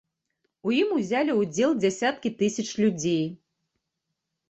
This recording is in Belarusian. У ім узялі ўдзел дзясяткі тысяч людзей.